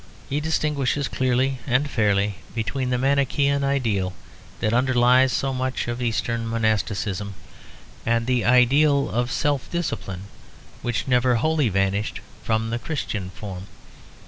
He distinguishes clearly and fairly between the Manichæan ideal that underlies so much of Eastern Monasticism and the ideal of self discipline which never wholly vanished from the Christian form.